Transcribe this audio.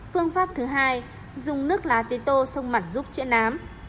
phương pháp thứ hai dùng nước lá tế tô xông mặt giúp chữa nám